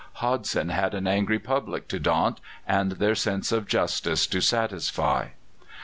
Hodson had an angry people to daunt, and their sense of justice to satisfy.